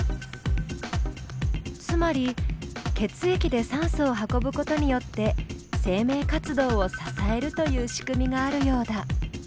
つまり血液で酸素を運ぶことによって生命活動を支えるというしくみがあるようだ。